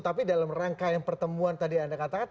tapi dalam rangka yang pertemuan tadi anda katakan